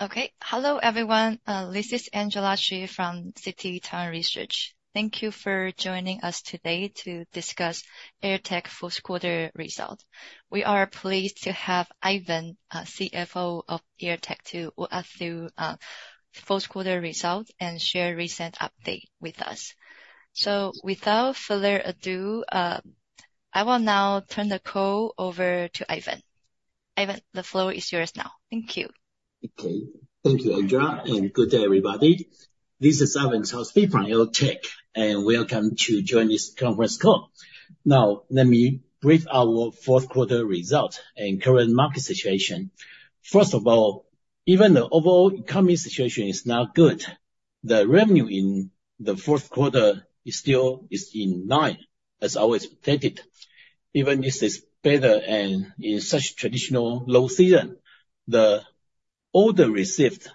All right. Okay. Hello, everyone, this is Angela Hsu from Citi Taiwan Research. Thank you for joining us today to discuss AirTAC fourth quarter results. We are pleased to have Ivan, CFO of AirTAC, to walk us through fourth quarter results and share recent update with us. So without further ado, I will now turn the call over to Ivan. Ivan, the floor is yours now. Thank you. Okay. Thank you, Angela, and good day, everybody. This is Ivan Tsao from AirTAC, and welcome to join this conference call. Now, let me brief our fourth quarter results and current market situation. First of all, even the overall economy situation is not good, the revenue in the fourth quarter is still, is in line, as I always stated. Even this is better, and in such traditional low season, the order received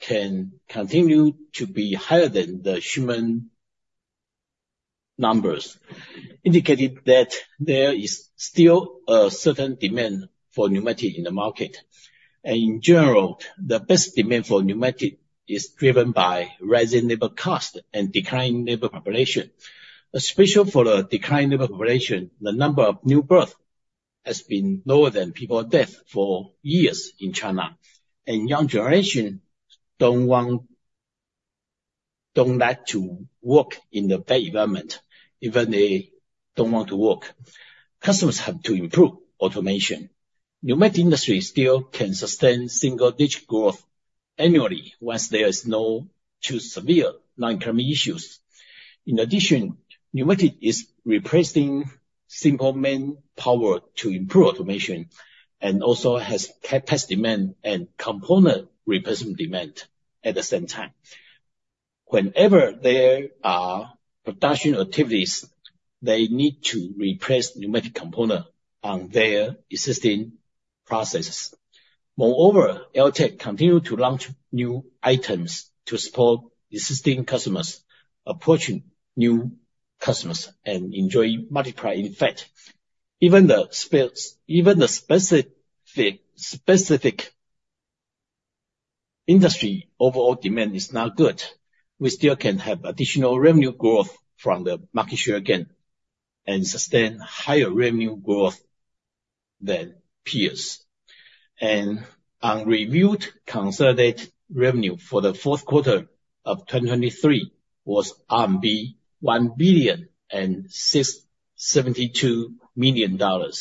can continue to be higher than the human numbers, indicating that there is still a certain demand for pneumatic in the market. And in general, the best demand for pneumatic is driven by rising labor cost and declining labor population. Especially for the declining labor population, the number of new birth has been lower than people death for years in China. Young generation don't like to work in the bad environment, even they don't want to work. Customers have to improve automation. Pneumatic industry still can sustain single-digit growth annually once there is no too severe non-climate issues. In addition, pneumatic is replacing simple manpower to improve automation, and also has capacity demand and component replacement demand at the same time. Whenever there are production activities, they need to replace pneumatic component on their existing processes. Moreover, AirTAC continue to launch new items to support existing customers, approaching new customers and enjoying multiplied effect. Even the specific industry overall demand is not good, we still can have additional revenue growth from the market share gain, and sustain higher revenue growth than peers. Unreviewed consolidated revenue for the fourth quarter of 2023 was RMB 1,067.2 million, an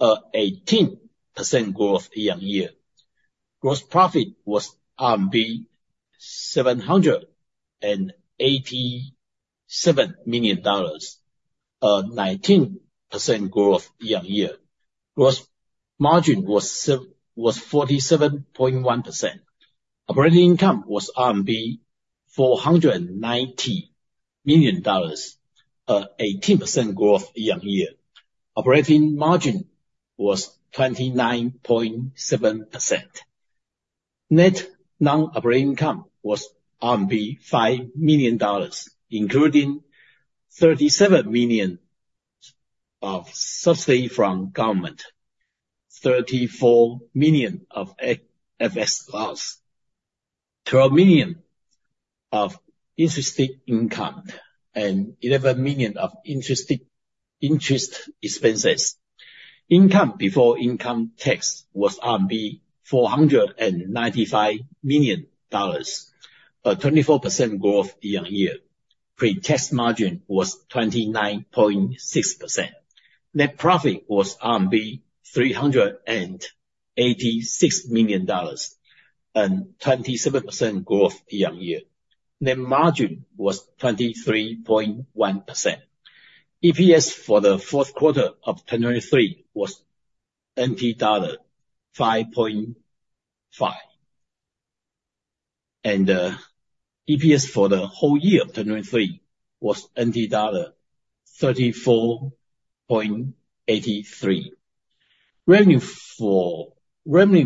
18% growth year-on-year. Gross profit was RMB 787 million, an 19% growth year-on-year. Gross margin was 47.1%. Operating income was RMB 490 million, an 18% growth year-on-year. Operating margin was 29.7%. Net non-operating income was RMB 5 million, including 37 million of subsidy from government, 34 million of FX loss, 12 million of interest income, and 11 million of interest expenses. Income before income tax was RMB 495 million, a 24% growth year-on-year. Pre-tax margin was 29.6%. Net profit was RMB 386 million, and 27% growth year-on-year. Net margin was 23.1%. EPS for the fourth quarter of 2023 was TWD 25.5. EPS for the whole year of 2023 was TWD 34.83. Revenue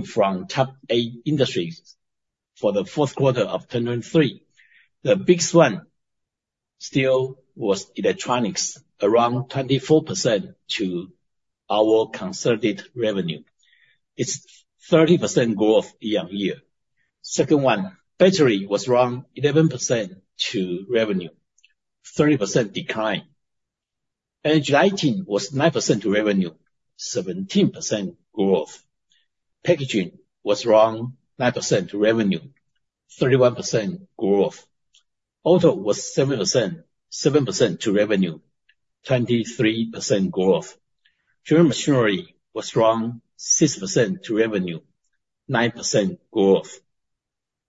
from top eight industries for the fourth quarter of 2023, the biggest one still was electronics, around 24% to our consolidated revenue. It's 30% growth year-on-year. Second one, battery was around 11% to revenue, 30% decline. Energy lighting was 9% to revenue, 17% growth. Packaging was around 9% to revenue, 31% growth. Auto was 7%, 7% to revenue, 23% growth. General machinery was around 6% to revenue, 9% growth.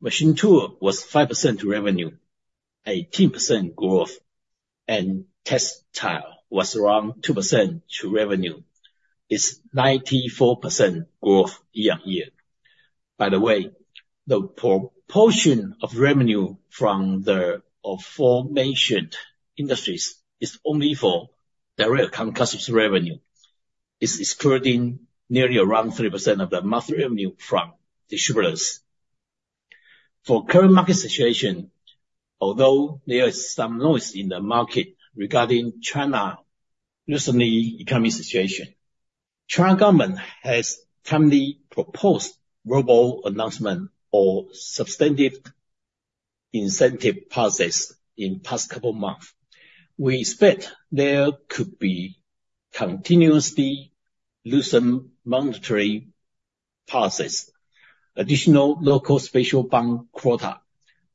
Machine tool was 5% to revenue, 18% growth. Textile was around 2% to revenue. It's 94% growth year-on-year. By the way, the proportion of revenue from the aforementioned industries is only for direct customers' revenue. It's excluding nearly around 3% of the monthly revenue from distributors. For current market situation, although there is some noise in the market regarding China recently economic situation, China government has timely proposed global announcement or substantive incentive policies in past couple of months. We expect there could be continuously loosen monetary policies, additional local special bank quota,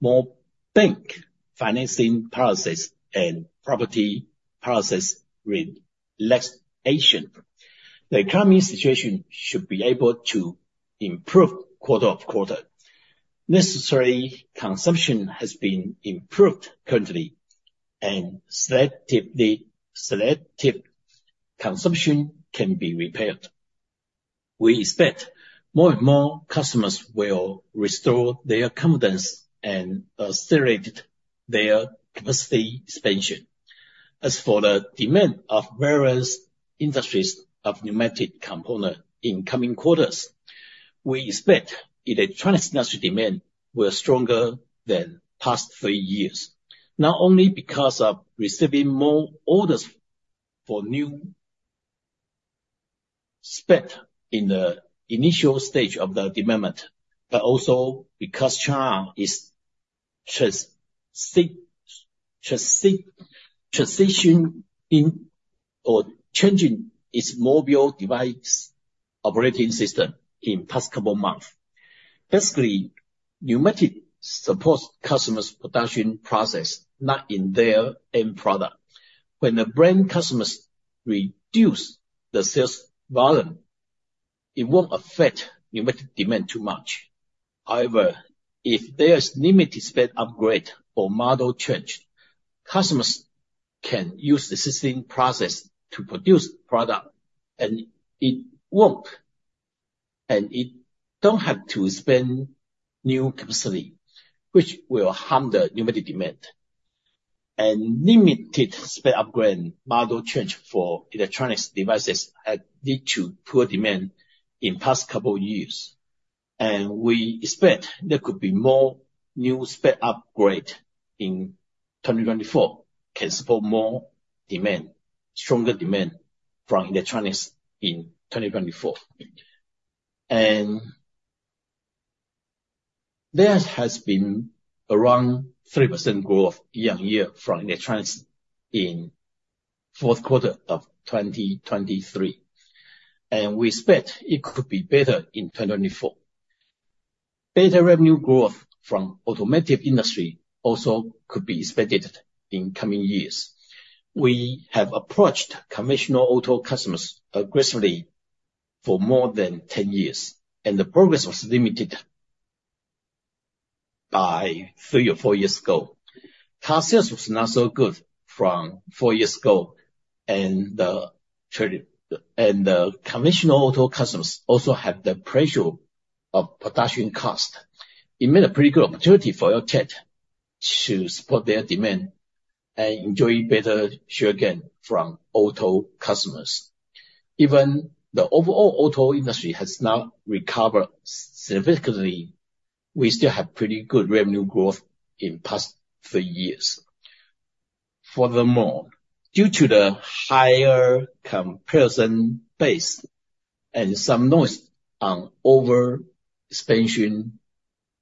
more bank financing policies, and property policies relaxation. The economy situation should be able to improve quarter-on-quarter. Necessary consumption has been improved currently, and selectively, selective consumption can be repaired. We expect more and more customers will restore their confidence and accelerate their capacity expansion. As for the demand of various industries of pneumatic component in coming quarters, we expect electronics industry demand will stronger than past three years. Not only because of receiving more orders for new spec in the initial stage of the development, but also because China is transitioning or changing its mobile device operating system in past couple of months. Basically, pneumatic supports customers' production process, not in their end product. When the brand customers reduce the sales volume, it won't affect pneumatic demand too much. However, if there is limited spec upgrade or model change, customers can use the existing process to produce product, and it won't, and it don't have to spend new capacity, which will harm the pneumatic demand. And limited spec upgrade and model change for electronics devices had lead to poor demand in past couple years. We expect there could be more new spec upgrade in 2024, can support more demand, stronger demand from electronics in 2024. There has been around 3% growth year-on-year from electronics in fourth quarter of 2023, and we expect it could be better in 2024. Better revenue growth from automotive industry also could be expected in coming years. We have approached commercial auto customers aggressively for more than 10 years, and the progress was limited by three or four years ago. Car sales was not so good from four years ago, and the trade and the commercial auto customers also had the pressure of production cost. It made a pretty good opportunity for AirTAC to support their demand and enjoy better share gain from auto customers. Even the overall auto industry has now recovered significantly, we still have pretty good revenue growth in past three years. Furthermore, due to the higher comparison base and some noise on overexpansion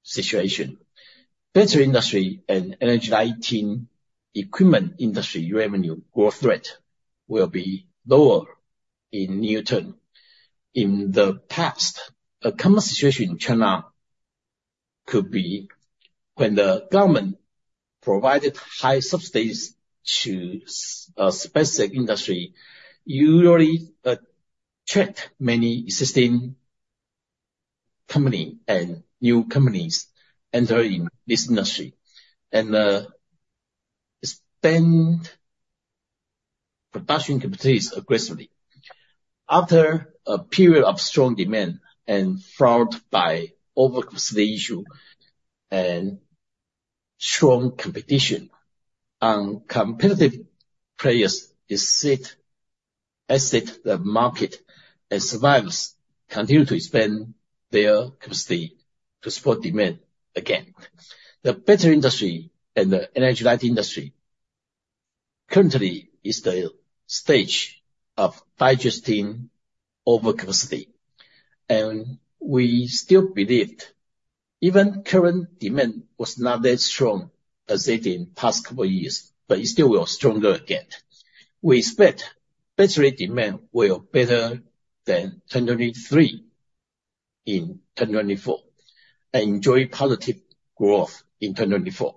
situation, battery industry and energy lighting equipment industry revenue growth rate will be lower in near term. In the past, a common situation in China could be when the government provided high subsidies to a specific industry, usually, attract many existing company and new companies enter in this industry, and, expand production capacities aggressively. After a period of strong demand and followed by overcapacity issue and strong competition, uncompetitive players exit, exit the market, and survivors continue to expand their capacity to support demand again. The battery industry and the energy light industry currently is the stage of digesting overcapacity, and we still believed even current demand was not as strong as it in past couple years, but it still will stronger again. We expect battery demand will better than 2023 in 2024, and enjoy positive growth in 2024.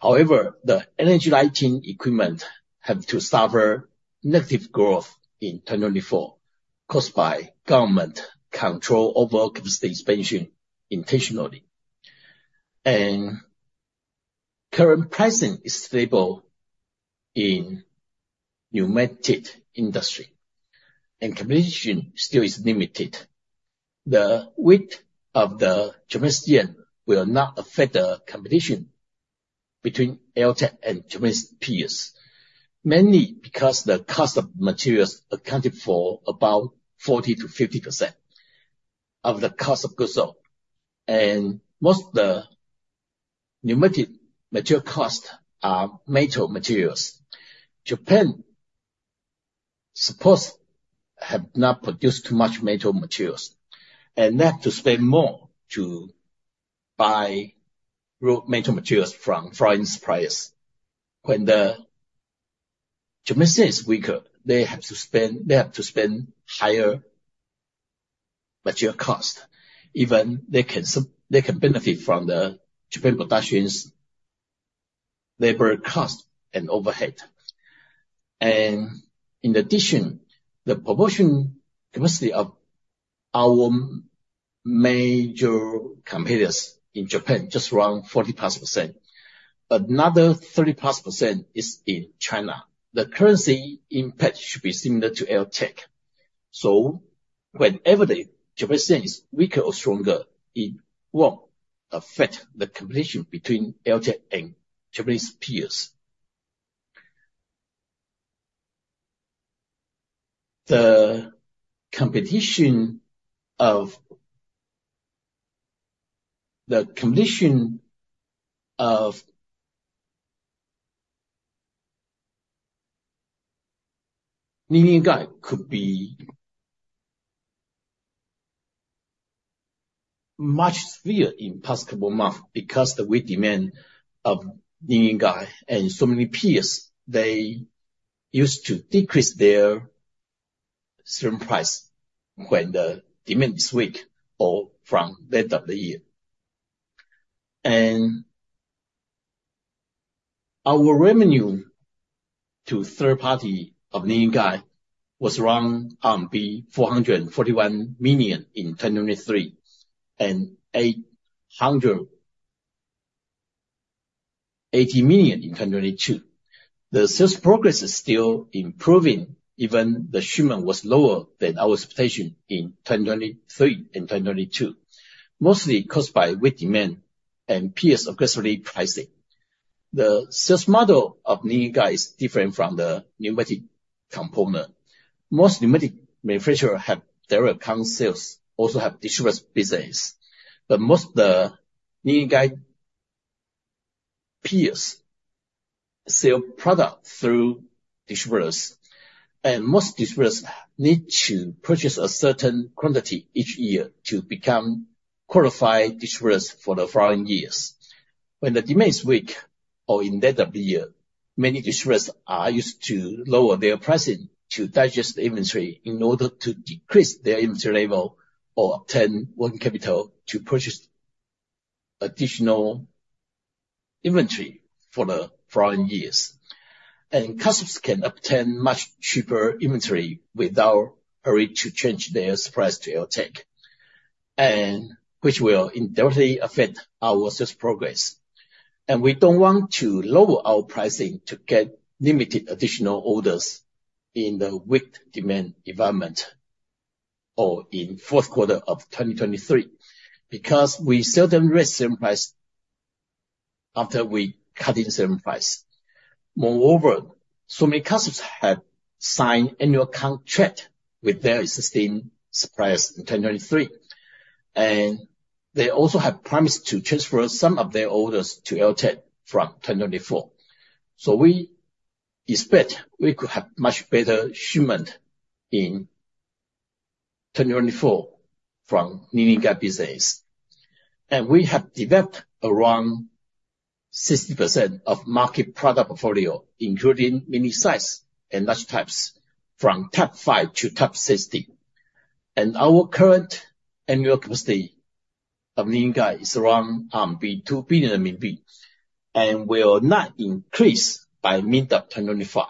However, the energy lighting equipment have to suffer negative growth in 2024, caused by government control overcapacity expansion intentionally. Current pricing is stable in pneumatic industry, and competition still is limited. The weakness of the Chinese yuan will not affect the competition between AirTAC and Japanese peers, mainly because the cost of materials accounted for about 40%-50% of the cost of goods sold. Most of the pneumatic material costs are metal materials. Japan supposed have not produced too much metal materials, and they have to spend more to buy raw metal materials from foreign suppliers. When the Japanese yen is weaker, they have to spend, they have to spend higher material cost. Even they can benefit from the Japan production's labor cost and overhead. In addition, the production capacity of our major competitors in Japan is just around 40%+. Another 30%+ is in China. The currency impact should be similar to AirTAC. So whenever the Japanese yen is weaker or stronger, it won't affect the competition between AirTAC and Japanese peers. The condition of linear guide could be much severe in possible month, because the weak demand of linear guide and so many peers, they used to decrease their certain price when the demand is weak or from end of the year. Our revenue to third party of linear guide was around 441 million in 2023, and 880 million in 2022. The sales progress is still improving, even the shipment was lower than our expectation in 2023 and 2022, mostly caused by weak demand and peers aggressively pricing. The sales model of linear guide is different from the pneumatic component. Most pneumatic manufacturer have direct account sales, also have distributors business. But most of the linear guide peers sell product through distributors, and most distributors need to purchase a certain quantity each year to become qualified distributors for the following years. When the demand is weak or at the end of the year, many distributors are used to lower their pricing to digest the inventory in order to decrease their inventory level or obtain working capital to purchase additional inventory for the following years. Customers can obtain much cheaper inventory without hurry to change their suppliers to AirTAC, which will indirectly affect our sales progress. We don't want to lower our pricing to get limited additional orders in the weak demand environment or in the fourth quarter of 2023, because we seldom raise certain price after we cut in certain price. Moreover, so many customers have signed annual contract with their existing suppliers in 2023, and they also have promised to transfer some of their orders to AirTAC from 2024. We expect we could have much better shipment in 2024 from Linear Guide business. We have developed around 60% of market product portfolio, including mini size and large types, from type 5 to type 60. Our current annual capacity of Linear Guide is around 2 billion RMB, and will not increase by mid-2025.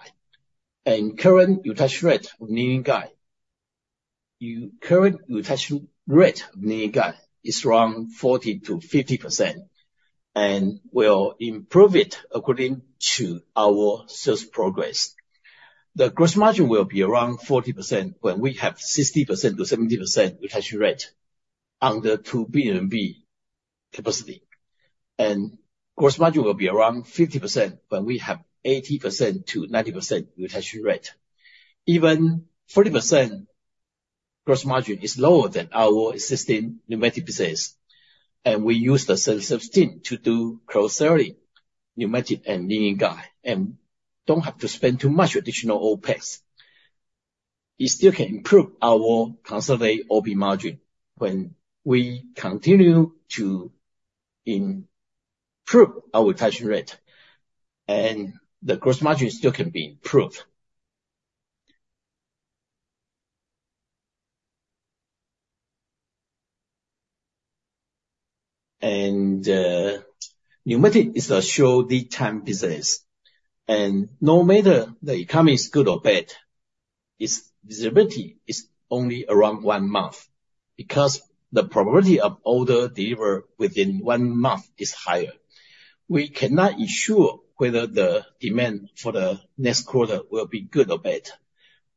Current utilization rate of Linear guide is around 40%-50% and will improve it according to our sales progress. The gross margin will be around 40% when we have 60%-70% utilization rate under RMB 2 billion capacity. Gross margin will be around 50% when we have 80%-90% utilization rate. Even 40% gross margin is lower than our existing Pneumatic business, and we use the sales team to do cross-selling, Pneumatic and Linear Guide, and don't have to spend too much additional OpEx. It still can improve our consolidated OP margin when we continue to improve our utilization rate, and the gross margin still can be improved. And, Pneumatic is a short lead time business, and no matter the economy is good or bad, its visibility is only around one month, because the probability of order deliver within one month is higher. We cannot ensure whether the demand for the next quarter will be good or bad,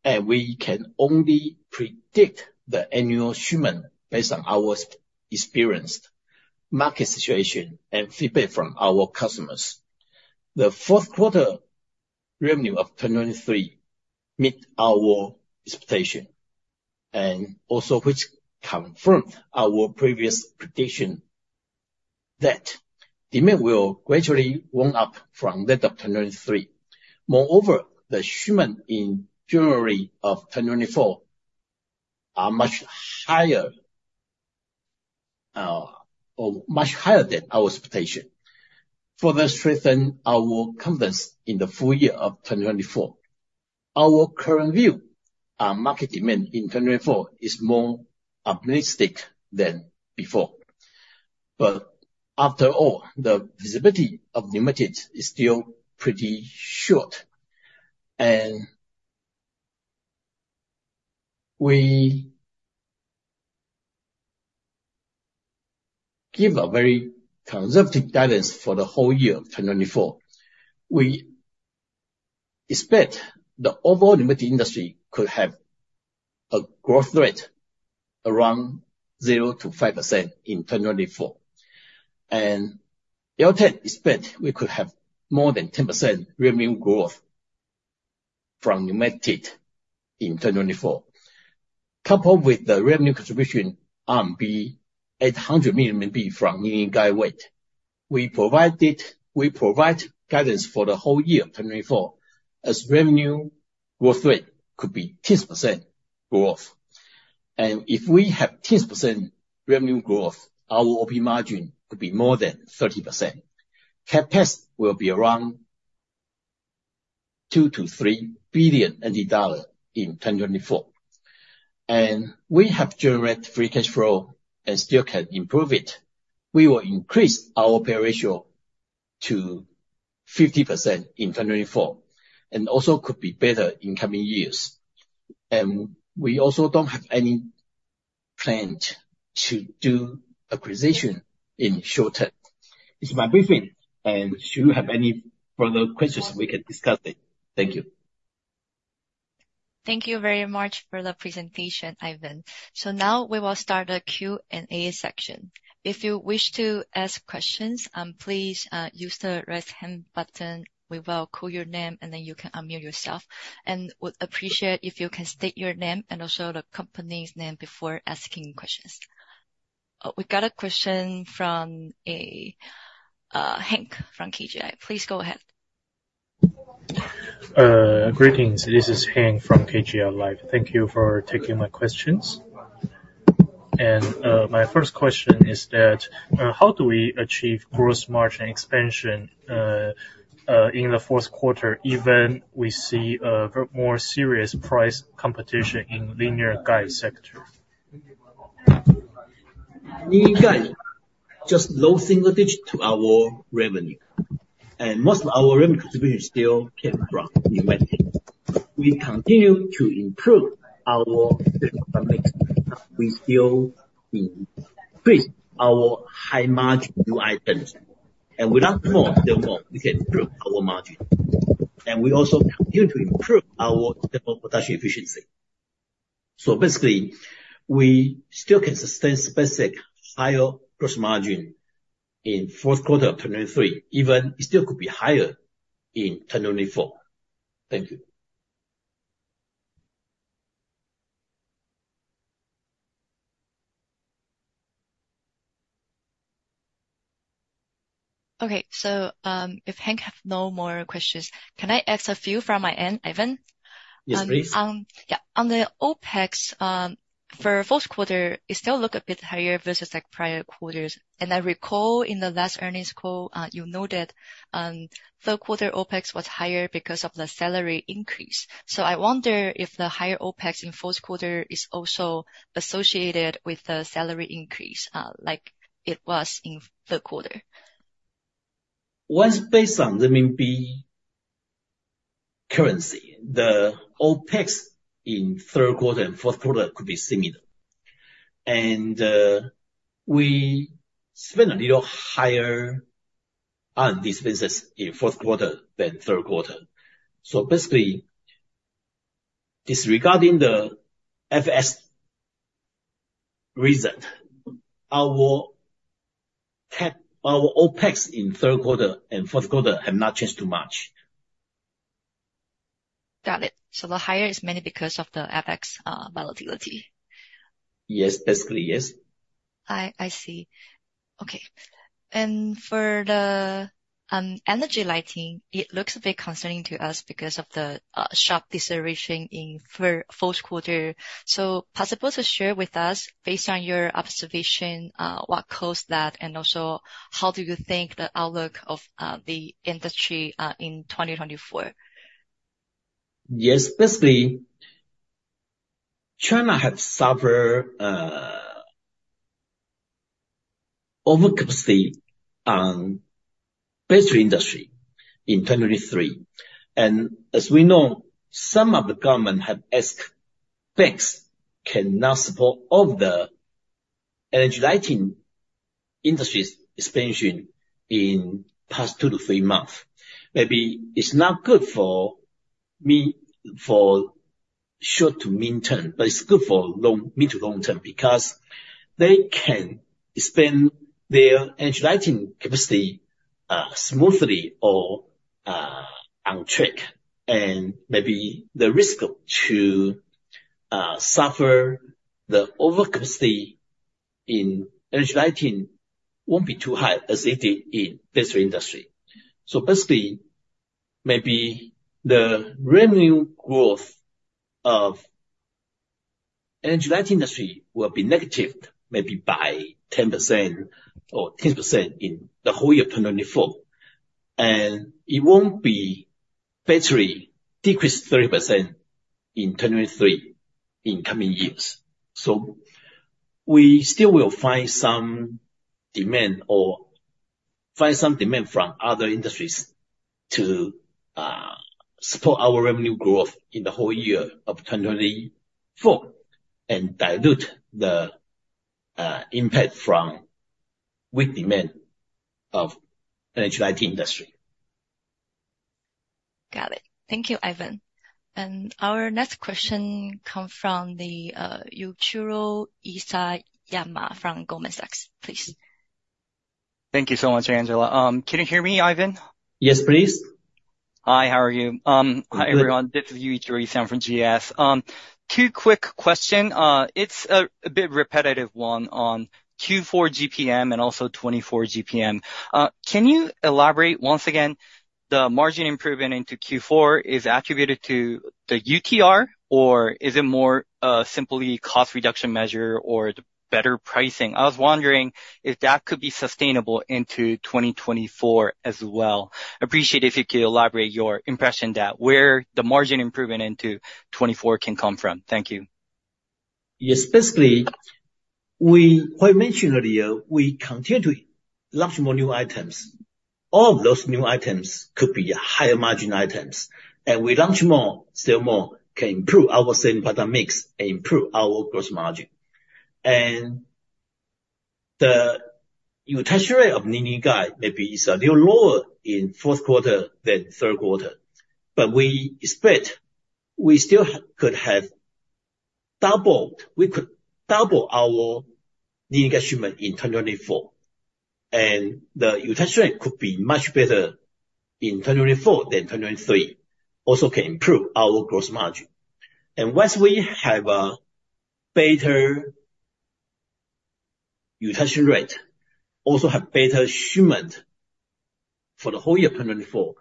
and we can only predict the annual shipment based on our experienced market situation and feedback from our customers. The fourth quarter revenue of 2023 meets our expectation, and also which confirmed our previous prediction that demand will gradually warm up from the end of 2023. Moreover, the shipment in January 2024 are much higher, or much higher than our expectation, further strengthen our confidence in the full year of 2024. Our current view on market demand in 2024 is more optimistic than before. But after all, the visibility is limited is still pretty short. And we give a very conservative guidance for the whole year of 2024. We expect the overall pneumatic industry could have a growth rate around 0%-5% in 2024. And AirTAC expect we could have more than 10% revenue growth from Pneumatic in 2024. Coupled with the revenue contribution of 800 million RMB from Linear Guides, we provide guidance for the whole year of 2024, as revenue growth rate could be 10% growth. And if we have 10% revenue growth, our OP margin could be more than 30%. CapEx will be around TWD 2 billion-TWD 3 billion in 2024. And we have generate free cash flow and still can improve it. We will increase our pay ratio to 50% in 2024, and also could be better in coming years. And we also don't have any plan to do acquisition in short term. It's my briefing, and should you have any further questions, we can discuss it. Thank you. Thank you very much for the presentation, Ivan. So now we will start the Q&A section. If you wish to ask questions, please use the raise hand button. We will call your name, and then you can unmute yourself. And would appreciate if you can state your name and also the company's name before asking questions. We got a question from Hank from KGI. Please go ahead. Greetings. This is Hank from KGI Life. Thank you for taking my questions. And, my first question is that, how do we achieve gross margin expansion, in the fourth quarter, even we see a more serious price competition in linear guide sector? Linear guide just low single-digit to our revenue, and most of our revenue contribution still came from Pneumatics. We continue to improve our. We still increase our high-margin new items. And with more, then we can improve our margin. And we also continue to improve our production efficiency. So basically, we still can sustain slightly higher gross margin in fourth quarter of 2023, even it still could be higher in 2024. Thank you. Okay. So, if Hank have no more questions, can I ask a few from my end, Ivan? Yes, please. Yeah. On the OpEx, for fourth quarter, it still looks a bit higher versus, like, prior quarters. I recall in the last earnings call, you noted, third quarter OpEx was higher because of the salary increase. So I wonder if the higher OpEx in fourth quarter is also associated with the salary increase, like it was in third quarter. Once based on the renminbi currency, the OpEx in third quarter and fourth quarter could be similar. And, we spent a little higher on these business in fourth quarter than third quarter. So basically, disregarding the FX result, our CapEx, our OpEx in third quarter and fourth quarter have not changed too much. Got it. So the higher is mainly because of the FX, volatility? Yes. Basically, yes. I see. Okay. And for the energy lighting, it looks a bit concerning to us because of the sharp deceleration in fourth quarter. So possible to share with us, based on your observation, what caused that, and also how do you think the outlook of the industry in 2024? Yes. Basically, China have suffered overcapacity on battery industry in 2023. And as we know, some of the government have asked, banks cannot support all of the energy lighting industry's expansion in the past 2-3 months. Maybe it's not good for short- to mid-term, but it's good for long, mid- to long-term, because they can expand their energy lighting capacity smoothly or on track. And maybe the risk to suffer the overcapacity in energy lighting won't be too high as it is in battery industry. So basically, maybe the revenue growth of energy light industry will be negative, maybe by 10% or 15% in the whole year of 2024. And it won't be battery decreased 30% in 2023 in coming years. So we still will find some demand, or find some demand from other industries to support our revenue growth in the whole year of 2024, and dilute the impact from weak demand of energy lighting industry. Got it. Thank you, Ivan. Our next question come from the Yuichiro Isayama from Goldman Sachs, please. Thank you so much, Angela. Can you hear me, Ivan? Yes, please. Hi, how are you? Hi, everyone. Good. This is Yuichiro Isayama from GS. Two quick question. It's a bit repetitive one on Q4 GPM and also 2024 GPM. Can you elaborate once again, the margin improvement into Q4 is attributed to the UTR, or is it more simply cost reduction measure or the better pricing? I was wondering if that could be sustainable into 2024 as well. Appreciate if you could elaborate your impression that where the margin improvement into 2024 can come from. Thank you. Yes, basically, we, I mentioned earlier, we continue to launch more new items. All of those new items could be higher margin items, and we launch more, sell more, can improve our selling product mix and improve our gross margin. And the utilization rate of Linear Guide maybe is a little lower in fourth quarter than third quarter, but we expect we still could have doubled. We could double our linear guide shipment in 2024, and the utilization rate could be much better in 2024 than 2023. Also can improve our gross margin. And once we have a better utilization rate, also have better shipment for the whole year 2024,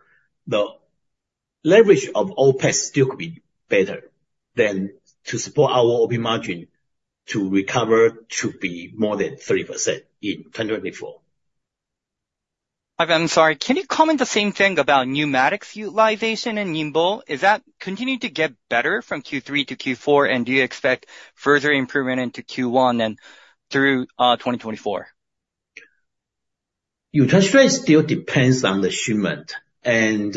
the leverage of OpEx still could be better to support our OP margin to recover, to be more than 30% in 2024. Ivan, I'm sorry. Can you comment the same thing about Pneumatics utilization in Ningbo? Is that continuing to get better from Q3 to Q4, and do you expect further improvement into Q1 and through 2024? Utilization still depends on the shipment, and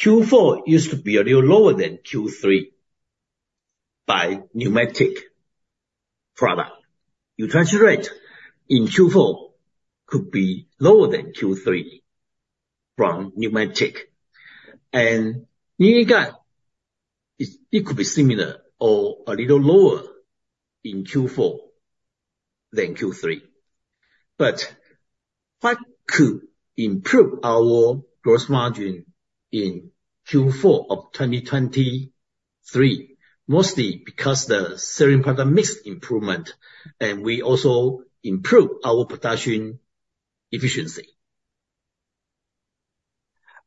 Q4 used to be a little lower than Q3 by pneumatic product. Utilization rate in Q4 could be lower than Q3 from Pneumatic. And Linear Guide is, it could be similar or a little lower in Q4 than Q3. But what could improve our gross margin in Q4 of 2023? Mostly because the selling product mix improvement, and we also improve our production efficiency.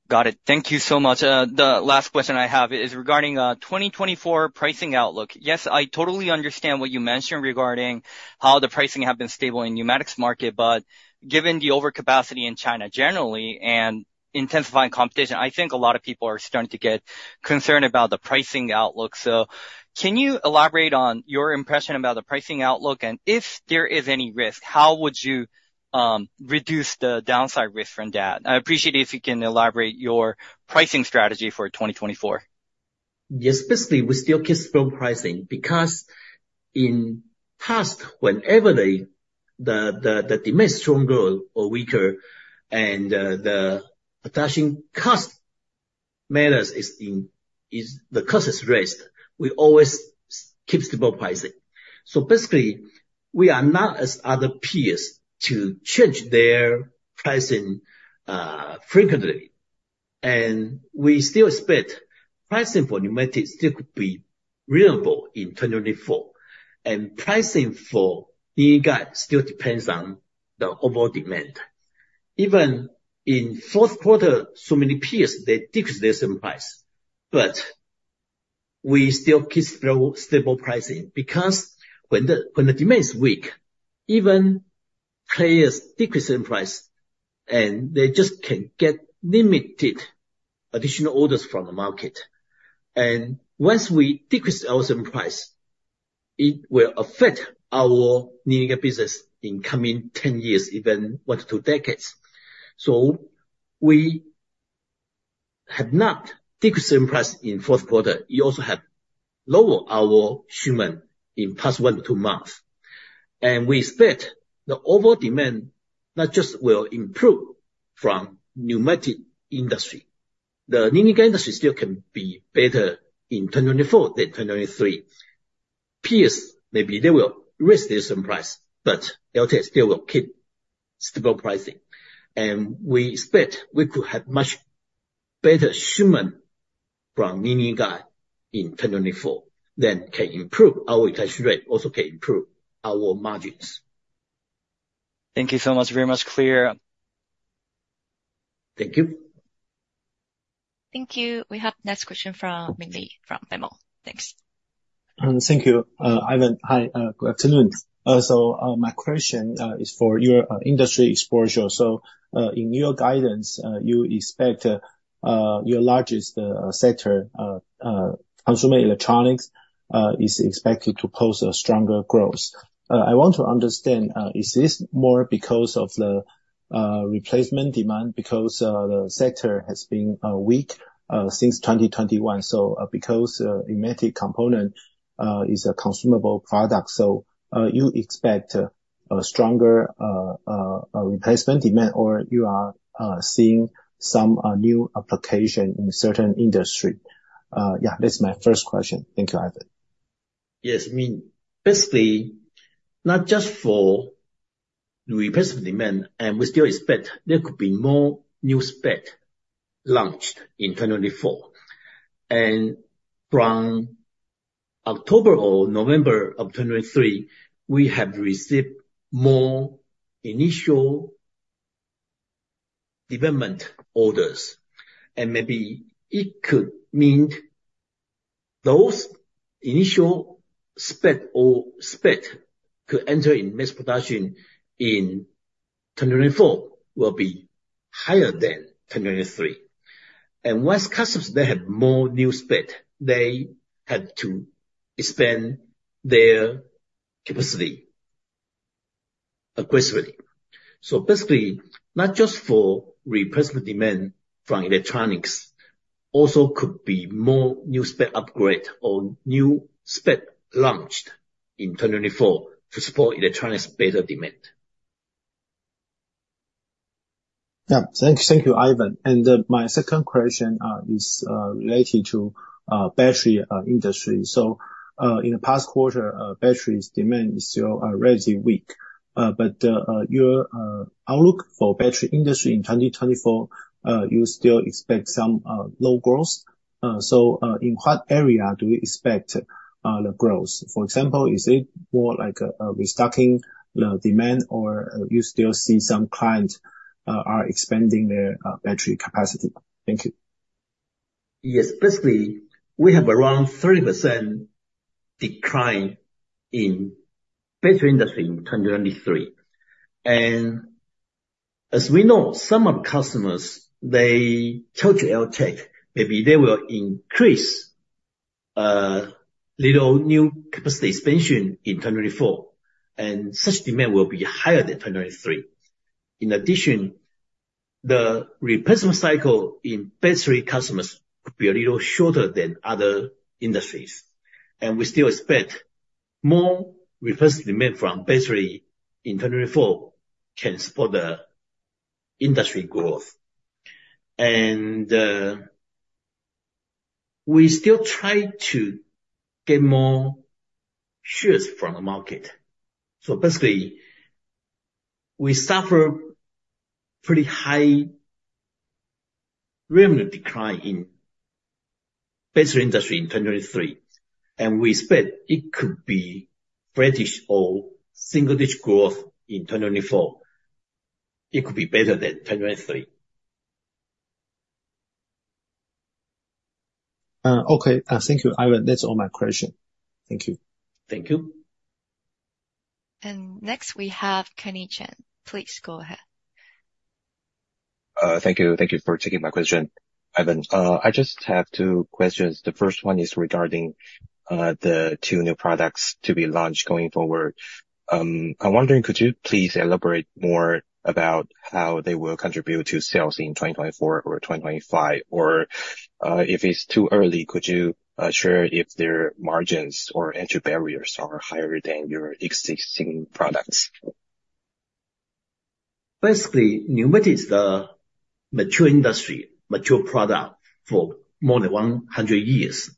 Got it. Thank you so much. The last question I have is regarding 2024 pricing outlook. Yes, I totally understand what you mentioned regarding how the pricing have been stable in pneumatics market, but given the overcapacity in China generally, and intensifying competition, I think a lot of people are starting to get concerned about the pricing outlook. So can you elaborate on your impression about the pricing outlook? And if there is any risk, how would you reduce the downside risk from that? I appreciate if you can elaborate your pricing strategy for 2024. Yes, basically, we still keep strong pricing, because in past, whenever the demand is stronger or weaker, and the production cost matters, the cost is raised, we always keep stable pricing. So basically, we are not as other peers to change their pricing frequently. And we still expect pricing for pneumatics still could be reasonable in 2024. And pricing for linear guide still depends on the overall demand. Even in fourth quarter, so many peers, they decreased their selling price, but we still keep low, stable pricing. Because when the demand is weak, even players decrease in price, and they just can get limited additional orders from the market. And once we decrease our selling price, it will affect our Linear Guide business in coming 10 years, even one to two decades. We have not decreased in price in fourth quarter. We also have lower our shipment in past one to two months. And we expect the overall demand not just will improve from pneumatic industry. The pneumatic industry still can be better in 2024 than 2023. Peers, maybe they will raise their same price, but AirTAC still will keep stable pricing. And we expect we could have much better shipment from Linear Guide in 2024, then can improve our utilization rate, also can improve our margins. Thank you so much. Very much clear. Thank you. Thank you. We have next question from Ming Lee. Thanks. Thank you, Ivan. Hi, good afternoon. So, my question is for your industry exposure. So, in your guidance, you expect your largest sector, consumer electronics, is expected to post a stronger growth. I want to understand, is this more because of the replacement demand? Because the sector has been weak since 2021. So, because pneumatic component is a consumable product, so you expect a stronger replacement demand, or you are seeing some new application in certain industry? Yeah, that's my first question. Thank you, Ivan. Yes, I mean, basically, not just for replacement demand, and we still expect there could be more new spec launched in 2024. And from October or November of 2023, we have received more initial development orders, and maybe it could mean those initial spec or spec to enter in mass production in 2024 will be higher than 2023. And once customers, they have more new spec, they had to expand their capacity aggressively. So basically, not just for replacement demand from electronics, also could be more new spec upgrade or new spec launched in 2024 to support electronics better demand. Yeah. Thank, thank you, Ivan. My second question is related to battery industry. So, in the past quarter, batteries demand is still relatively weak. But, your outlook for battery industry in 2024, you still expect some low growth? So, in what area do you expect the growth? For example, is it more like a restocking demand, or you still see some clients are expanding their battery capacity? Thank you. Yes. Basically, we have around 30% decline in battery industry in 2023. As we know, some of customers, they told AirTAC, maybe they will increase little new capacity expansion in 2024, and such demand will be higher than 2023. In addition, the replacement cycle in battery customers could be a little shorter than other industries, and we still expect more replacement demand from battery in 2024 can support the industry growth. We still try to get more shares from the market. So basically, we suffer pretty high revenue decline in battery industry in 2023, and we expect it could be flat-ish or single-digit growth in 2024. It could be better than 2023. Okay. Thank you, Ivan. That's all my question. Thank you. Thank you. Next, we have Kenny Chen. Please go ahead. Thank you. Thank you for taking my question, Ivan. I just have two questions. The first one is regarding the two new products to be launched going forward. I'm wondering, could you please elaborate more about how they will contribute to sales in 2024 or 2025? Or, if it's too early, could you share if their margins or entry barriers are higher than your existing products? Basically, pneumatic is the mature industry, mature product for more than 100 years,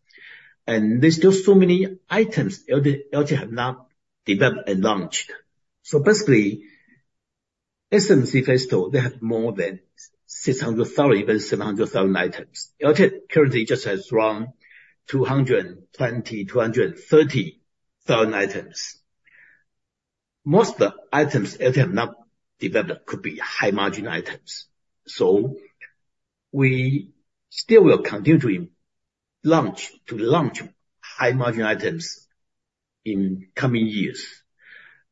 and there's still so many items AirTAC have not developed and launched. So basically, SMC Festo, they have more than 600,000, even 700,000 items. AirTAC currently just has around 220,000-230,000 items. Most of the items AirTAC have not developed could be high-margin items. So we still will continue to launch, to launch high-margin items in coming years.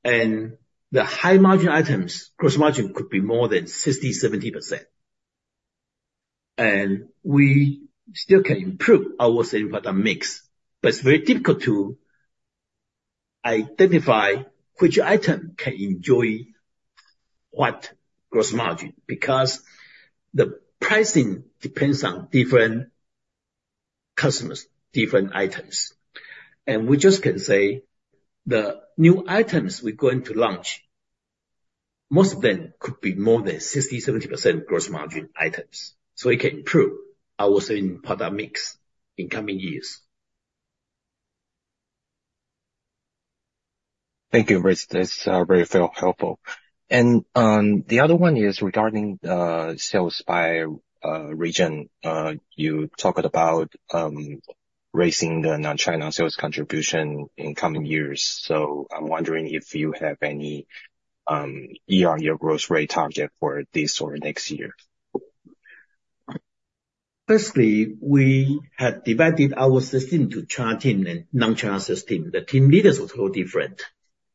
And the high-margin items, gross margin could be more than 60%-70%. And we still can improve our selling product mix, but it's very difficult to identify which item can enjoy what gross margin, because the pricing depends on different customers different items. We just can say, the new items we're going to launch, most of them could be more than 60%-70% gross margin items. It can improve our selling product mix in coming years. Thank you. That's very fair, helpful. The other one is regarding sales by region. You talked about raising the non-China sales contribution in coming years. I'm wondering if you have any year-on-year growth rate target for this or next year? Firstly, we have divided our system to China team and non-China system. The team leaders are totally different.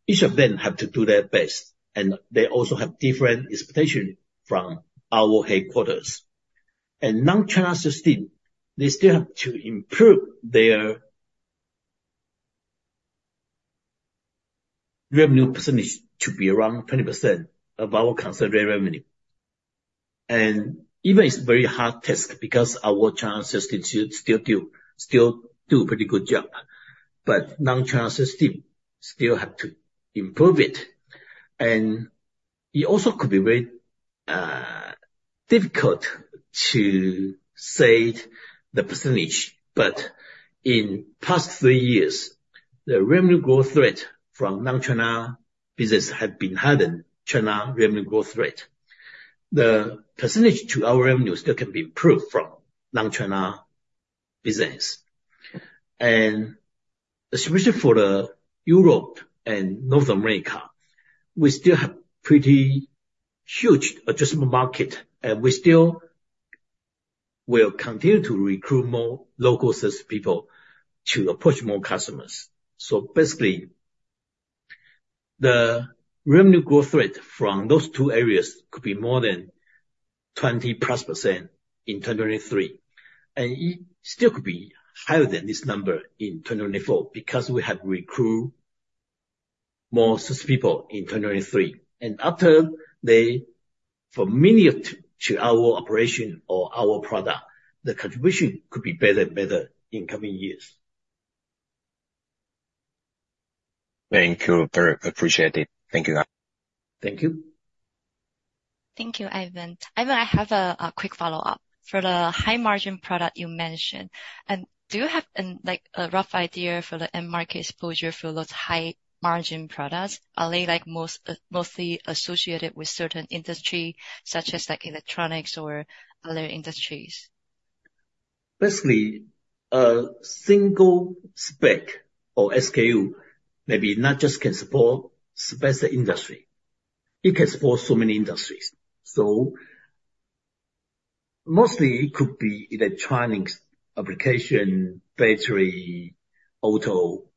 Each of them have to do their best, and they also have different expectations from our headquarters. Non-China system, they still have to improve their revenue percentage to be around 20% of our consolidated revenue. Even it's very hard task, because our China system still, still do a pretty good job. But non-China system still have to improve it. It also could be very difficult to say the percentage, but in past three years, the revenue growth rate from non-China business had been higher than China revenue growth rate. The percentage to our revenue still can be improved from non-China business. Especially for Europe and North America, we still have a pretty huge addressable market, and we still will continue to recruit more local sales people to approach more customers. So basically, the revenue growth rate from those two areas could be more than 20%+ in 2023. And it still could be higher than this number in 2024, because we have recruit more sales people in 2023. And after they familiar to our operation or our product, the contribution could be better and better in coming years. Thank you. Very appreciate it. Thank you. Thank you. Thank you, Ivan. Ivan, I have a quick follow-up. For the high-margin product you mentioned, do you have, like, a rough idea for the end market exposure for those high margin products? Are they, like, mostly associated with certain industry, such as, like, electronics or other industries? Basically, a single spec or SKU, maybe not just can support specific industry. It can support so many industries. So mostly, it could be electronics, application, battery, auto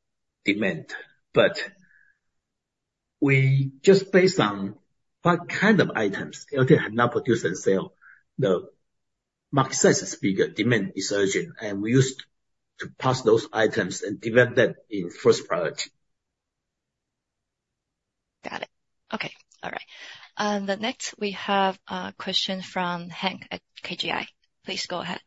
demand. But we just based on what kind of items AirTAC had not produced and sell, the market size is bigger, demand is urgent, and we used to pass those items and develop that in first priority. Got it. Okay. All right. The next, we have a question from Hank at KGI. Please go ahead.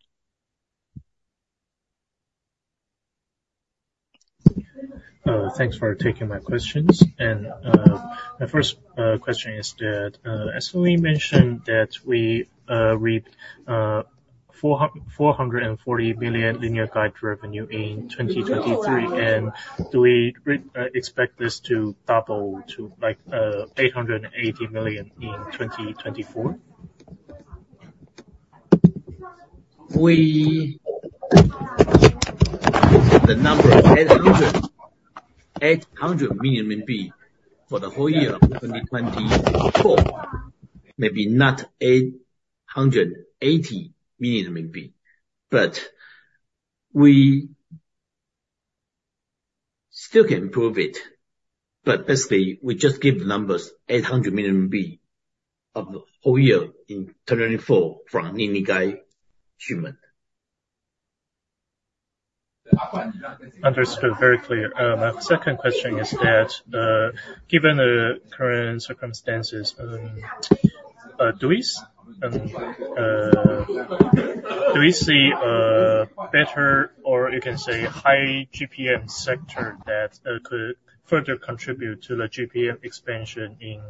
Thanks for taking my questions. My first question is that, as we mentioned, that we read 440 million linear guide revenue in 2023. Do we expect this to double to, like, 880 million in 2024? The number 800 million for the whole year of 2024, maybe not 880 million, but we still can improve it. But basically, we just give the numbers, 800 million of the whole year in 2024 Linear Guide. Understood. Very clear. My second question is that, given the current circumstances, do we see a better, or you can say higher-GPM sector that could further contribute to the GPM expansion in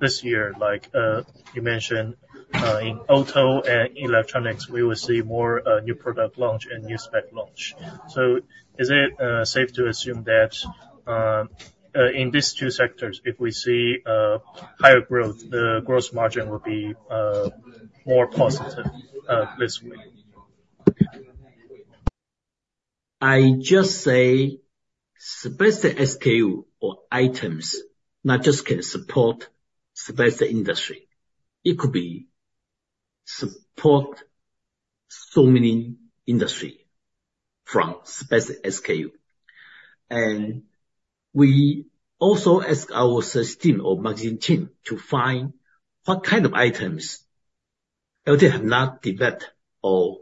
this year? Like, you mentioned, in auto and electronics, we will see more new product launch and new spec launch. So is it safe to assume that, in these two sectors, if we see higher growth, the growth margin will be more positive this way? I just say, specific SKU or items not just can support specific industry. It could be support so many industry from specific SKU. And we also ask our sales team or marketing team to find what kind of items they have not developed or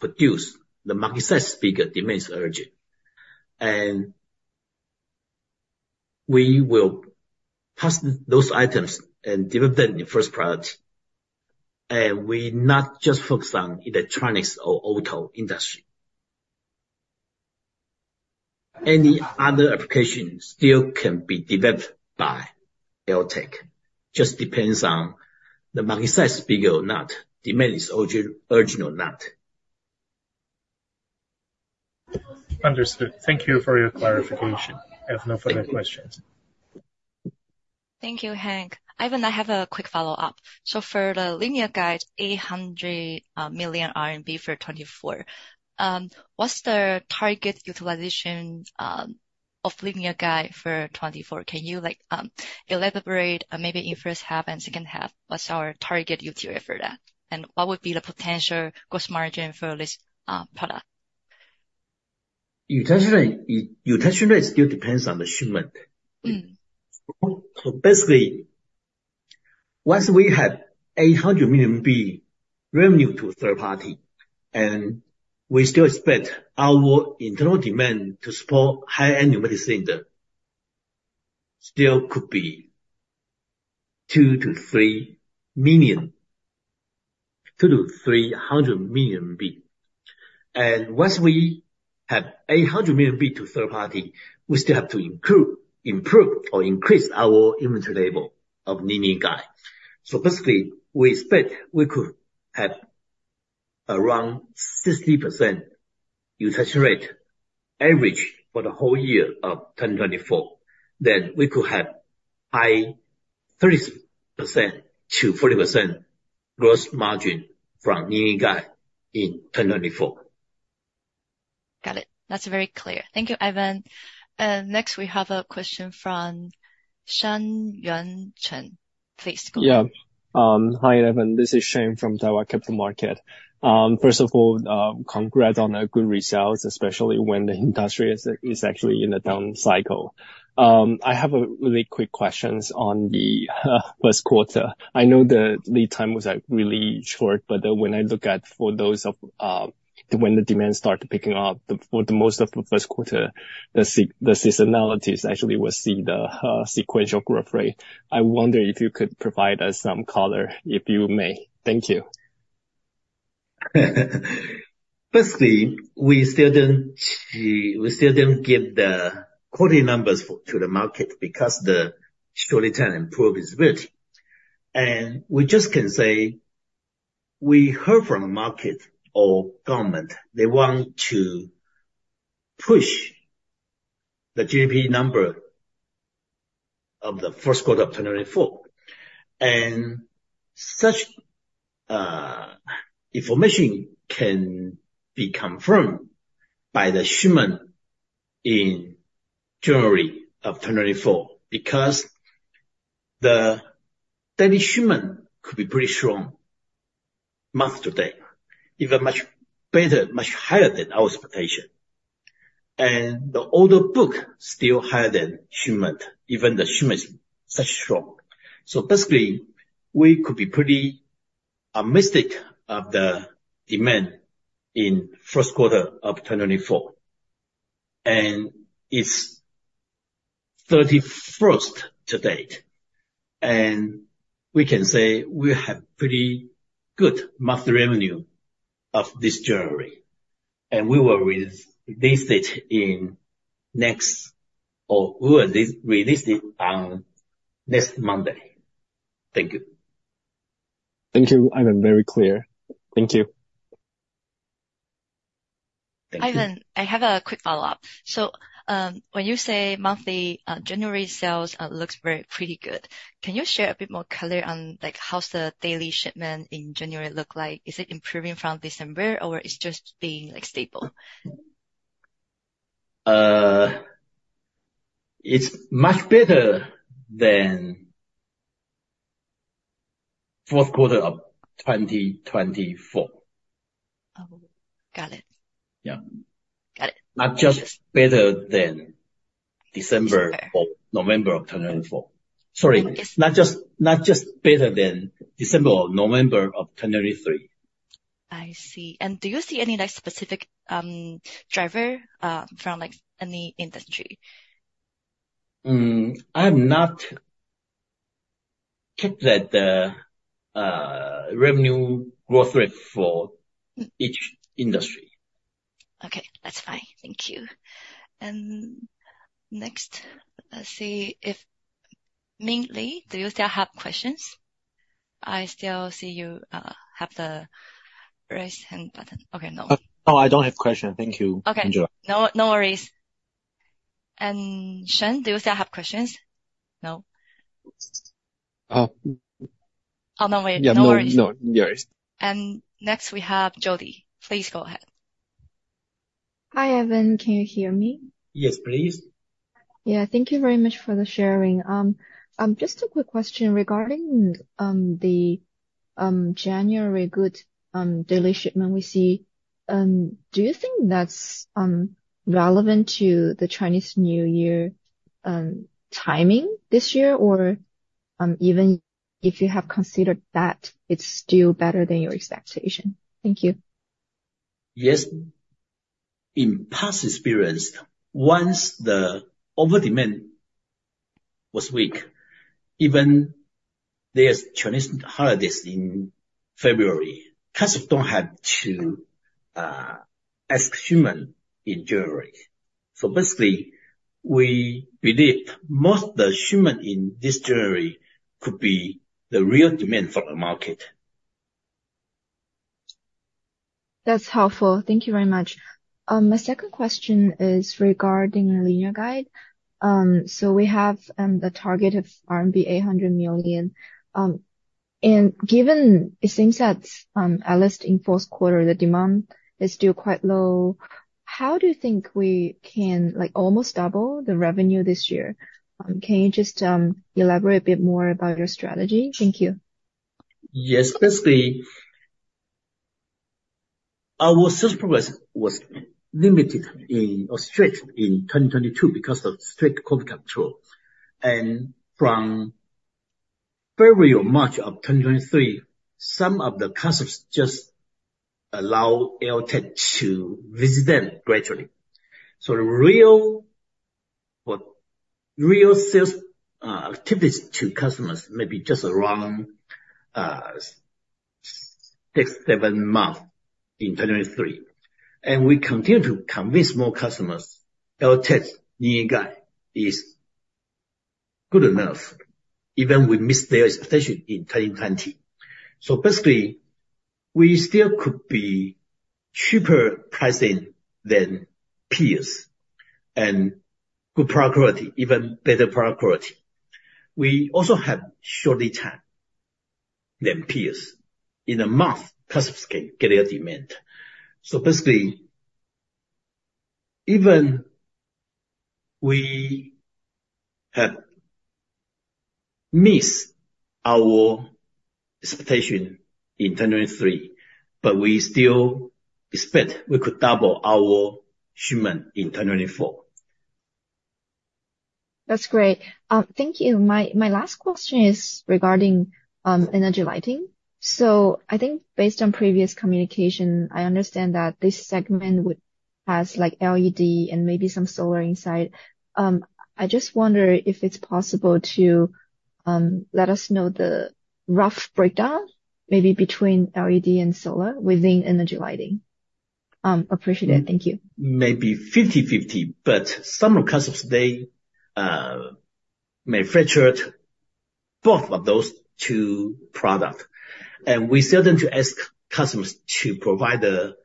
produced, the market size, bigger demand is urgent. We will test those items and develop them in first product. And we not just focus on electronics or auto industry. Any other application still can be developed by AirTAC, just depends on the market size, big or not, demand is urgent or not. Understood. Thank you for your clarification. I have no further questions. Thank you, Hank. Ivan, I have a quick follow-up. So for the linear guide, 800 million RMB for 2024. What's the target utilization of linear guide for 2024? Can you, like, elaborate, maybe in first half and second half, what's our target utility for that? And what would be the potential gross margin for this product? Utilization, utilization rate still depends on the shipment. So basically, once we have 800 million revenue to third party, and we still expect our internal demand to support high-end numerical cylinder, still could be 200 million-300 million. And once we have 800 million to third party, we still have to improve, improve or increase our inventory level of Linear Guide. So basically, we expect we could have around 60% utilization rate average for the whole year of 2024. Then we could have high 30%-40% gross margin from linear guide in 2024. Got it. That's very clear. Thank you, Ivan. Next, we have a question from Sheng-Yuan Cheng. Please go. Yeah. Hi, Ivan, this is Sheng from Daiwa Capital Markets. First of all, congrats on a good results, especially when the industry is actually in a down cycle. I have a really quick question on the first quarter. I know the lead time was, like, really short, but when I look at when the demand started picking up, for the most of the first quarter, the seasonality actually was in the sequential growth rate. I wonder if you could provide us some color, if you may. Thank you. Firstly, we still didn't see, we still didn't give the quarterly numbers to the market, because the short-term improvement. And we just can say, we heard from the market or government, they want to push the GDP number of the first quarter of 2024. And such information can be confirmed by the shipment in January of 2024, because the daily shipment could be pretty strong month-to-date, even much better, much higher than our expectation. And the order book still higher than shipment, even the shipment is such strong. So basically, we could be pretty optimistic of the demand in first quarter of 2024. And it's 31st to date, and we can say we have pretty good monthly revenue of this January, and we will re-release it on next Monday. Thank you. Thank you, Ivan. Very clear. Thank you. Ivan, I have a quick follow-up. So, when you say monthly January sales looks very pretty good, can you share a bit more color on, like, how's the daily shipment in January look like? Is it improving from December, or it's just being, like, stable? It's much better than fourth quarter of 2024. Oh, got it. Yeah. Got it. Not just better than December— December. November of 2024. Sorry. Yes— Not just, not just better than December or November of 2023. I see. Do you see any, like, specific driver from, like, any industry? I have not kept that revenue growth rate for each industry. Okay, that's fine. Thank you. Next, let's see if Ming Lee, do you still have questions? I still see you have the raise hand button. Okay. No. No, I don't have question. Thank you. Okay. Enjoy. No, no worries. Sheng, do you still have questions? No. Uh— Oh, no worry. Yeah. No worries. No, no worries. Next, we have Jody. Please go ahead. Hi, Ivan, can you hear me? Yes, please. Yeah, thank you very much for the sharing. Just a quick question regarding the January good daily shipment we see. Do you think that's relevant to the Chinese New Year timing this year? Or, even if you have considered that, it's still better than your expectation. Thank you. Yes, in past experience, once the order demand was weak, even there's Chinese holidays in February, customers don't have to rush orders in January. So basically, we believe most of the rush orders in this January could be the real demand for the market. That's helpful. Thank you very much. My second question is regarding your linear guide. So we have the target of RMB 800 million. And given it seems that at least in fourth quarter, the demand is still quite low, how do you think we can, like, almost double the revenue this year? Can you just elaborate a bit more about your strategy? Thank you. Yes, basically, our sales progress was limited, or restricted, in 2022 because of strict COVID control. And from February or March of 2023, some of the customers just allow AirTAC to visit them gradually. So the real, or real sales, typically to customers, maybe just around six to seven months in 2023. And we continue to convince more customers AirTAC linear guide is good enough, even we missed their expectation in 2020. So basically, we still could be cheaper pricing than peers, and good product quality, even better product quality. We also have shorter time than peers. In a month, customers can get their demand. So basically, even we have missed our expectation in 2023, but we still expect we could double our shipment in 2024. That's great. Thank you. My, my last question is regarding energy lighting. So I think based on previous communication, I understand that this segment would—has, like, LED and maybe some solar inside. I just wonder if it's possible to let us know the rough breakdown, maybe between LED and solar within energy lighting. Appreciate it. Thank you. Maybe 50/50, but some customers, they manufactured both of those two products. And we tell them to ask customers to provide the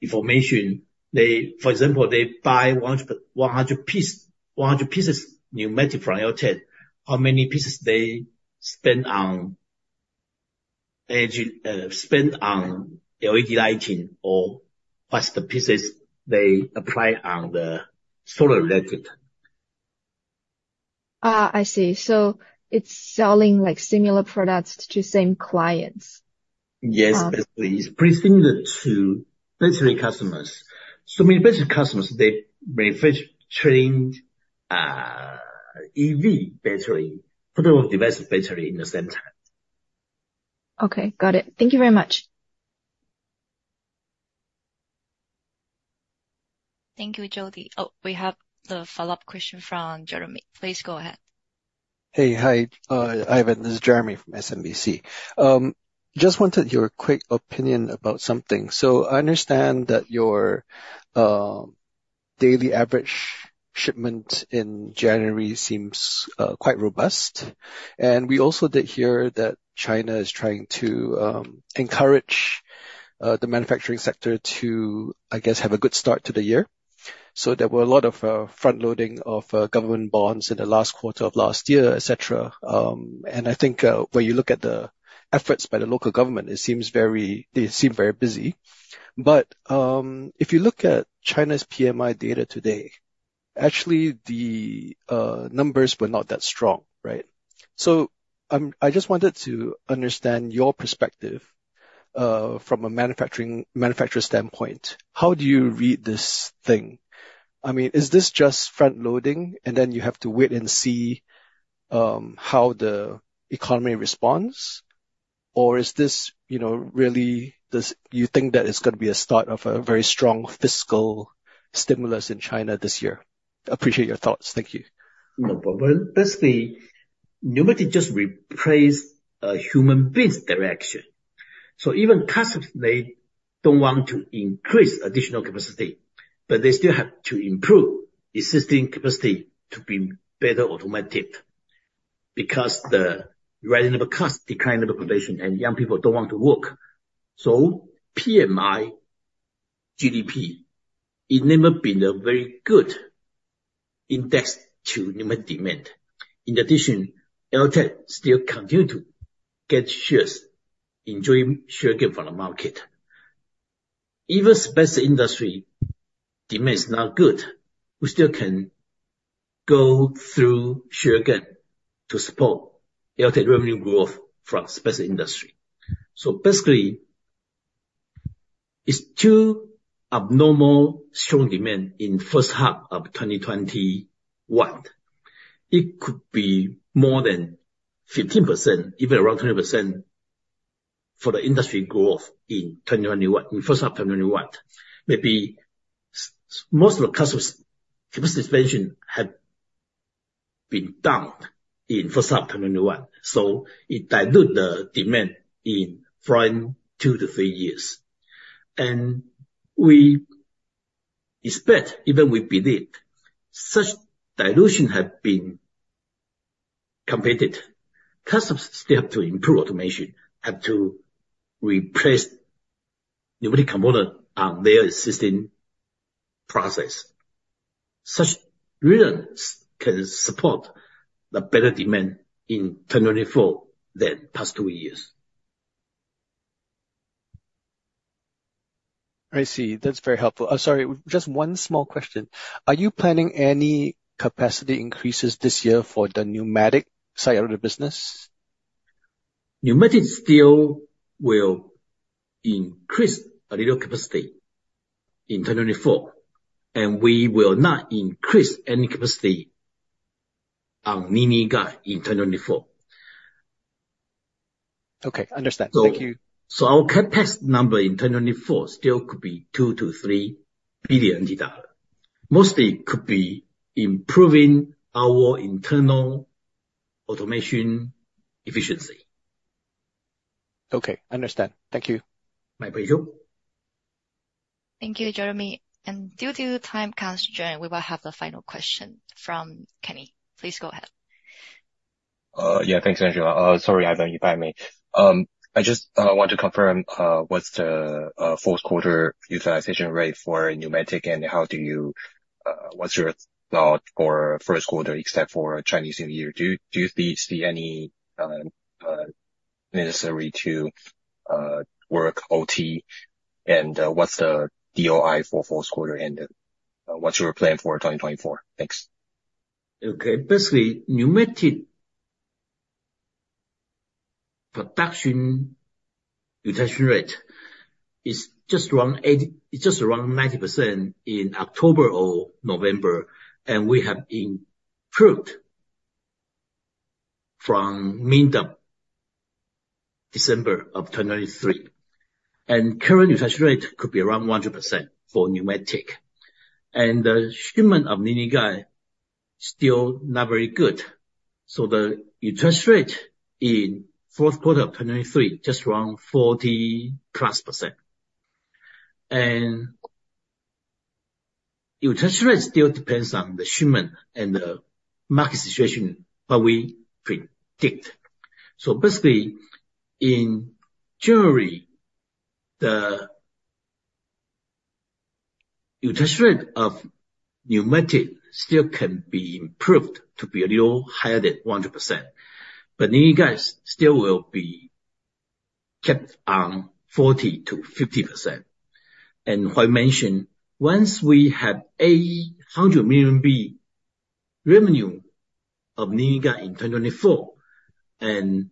information. They, for example, they buy 100 pieces new from AirTAC, how many pieces they spend on energy, spend on LED lighting, or what's the pieces they apply on the solar related? Ah, I see. So it's selling like similar products to same clients? Yes, basically. It's pretty similar to battery customers. So many battery customers, they manufacture, EV battery, portable device battery in the same time. Okay, got it. Thank you very much. Thank you, Jody. Oh, we have the follow-up question from Jeremy. Please go ahead. Hey. Hi, Ivan, this is Jeremy from SMBC. Just wanted your quick opinion about something. So I understand that your daily average shipment in January seems quite robust. And we also did hear that China is trying to encourage the manufacturing sector to, I guess, have a good start to the year. So there were a lot of front loading of government bonds in the last quarter of last year, et cetera. And I think when you look at the efforts by the local government, it seems very—they seem very busy. But if you look at China's PMI data today, actually, the numbers were not that strong, right? So I just wanted to understand your perspective from a manufacturing-manufacturer standpoint, how do you read this thing? I mean, is this just front loading, and then you have to wait and see how the economy responds? Or is this, you know, really, you think that it's gonna be a start of a very strong fiscal stimulus in China this year? I appreciate your thoughts. Thank you. No problem. That's the, pneumatic just replaced human beings direction. So even customers, they don't want to increase additional capacity, but they still have to improve existing capacity to be better automated, because the rising number of costs, declining population, and young people don't want to work. So PMI, GDP, it's never been a very good index to limit demand. In addition, AirTAC still continue to get shares, enjoy share gain from the market. Even space industry demand is not good, we still can go through share gain to support AirTAC revenue growth from space industry. So basically, it's too abnormal, strong demand in first half of 2021. It could be more than 15%, even around 20% for the industry growth in 2021, in first half 2021. Maybe most of the customers' capacity expansion had been down in first half 2021, so it dilute the demand in the following two to three years. We expect, even we believe, such dilution have been completed. Customers still have to improve automation, have to replace pneumatic component on their existing process. Such reasons can support the better demand in 2024 than past 2 years. I see. That's very helpful. Sorry, just one small question. Are you planning any capacity increases this year for the Pneumatic side of the business? Pneumatic still will increase a little capacity in 2024, and we will not increase any capacity on Linear Guide in 2024. Okay, understand. Thank you. Our CapEx number in 2024 still could be 2 billion-3 billion dollars. Mostly could be improving our internal automation efficiency. Okay, understand. Thank you. My pleasure. Thank you, Jeremy. Due to the time constraint, we will have the final question from Kenny. Please go ahead. Yeah, thanks, Angela. Sorry, Ivan, pardon me. I just want to confirm, what's the fourth quarter utilization rate for Pneumatic, and what's your thought for first quarter except for Chinese New Year? Do you see any necessary to work OT? And, what's the DOI for fourth quarter, and what's your plan for 2024? Thanks. Okay. Basically, Pneumatic production utilization rate is just around 90% in October or November, and we have improved from mid-December of 2023. Current utilization rate could be around 100% for Pneumatic. And the shipment of Linear Guide still not very good, so the utilization rate in fourth quarter of 2023 just around 40%+. And utilization rate still depends on the shipment and the market situation, but we predict. So basically, in January, the utilization rate of Pneumatic still can be improved to be a little higher than 100%, but Linear Guides still will be kept on 40%-50%. And I mentioned, once we have 800 million revenue of Linear Guide in 2024, and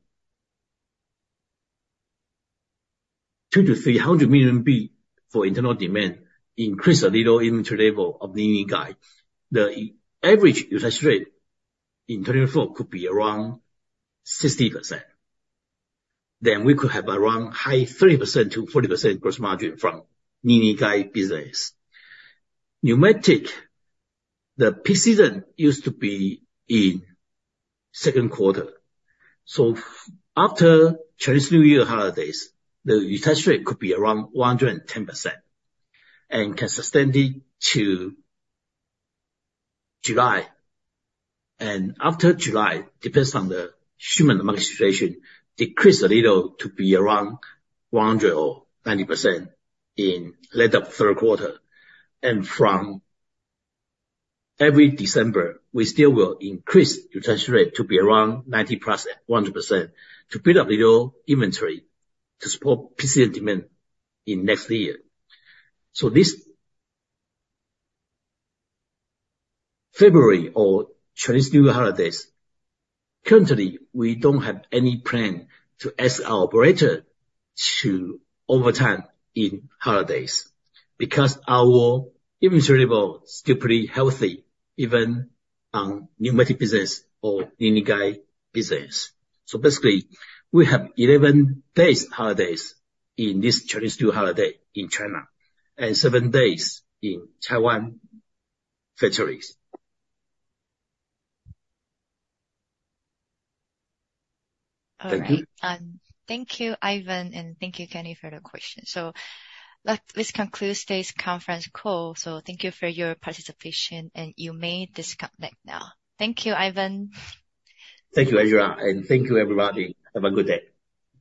200 million-300 million for internal demand, increase a little inventory level of Linear Guide. The average utilization rate in 2024 could be around 60%. Then we could have around high 30%-40% gross margin Linear Guide business. Pneumatic, the peak season used to be in second quarter. So, after Chinese New Year holidays, the utilization rate could be around 110% and consistently to July. And after July, depends on the shipment and market situation, decrease a little to be around 100% or 90% in later third quarter. And from every December, we still will increase utilization rate to be around 90%+ and 100%, to build up little inventory to support peak season demand in next year. This February or Chinese New Year holidays, currently, we don't have any plan to ask our operator to overtime in holidays, because our inventory level still pretty healthy, even on Pneumatic business or Linear Guide business. Basically, we have 11 days holidays in this Chinese New holiday in China, and seven days in Taiwan factories. All right. Thank you. Thank you, Ivan, and thank you, Kenny, for the question. This concludes today's conference call. Thank you for your participation, and you may disconnect now. Thank you, Ivan. Thank you, Angela, and thank you, everybody. Have a good day.